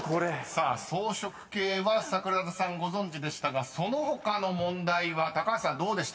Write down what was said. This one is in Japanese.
［さあ「草食系」は桜田さんご存じでしたがその他の問題は高橋さんどうでしたか？］